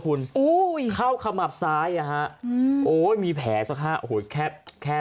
คุณอุ้ยเข้าขมับซ้ายอ่ะฮะอืมโอ้ยมีแผลสักห้าโอ้โหแค่แค่